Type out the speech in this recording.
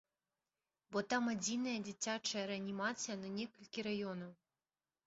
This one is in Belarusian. Бо там адзіная дзіцячая рэанімацыя на некалькі раёнаў.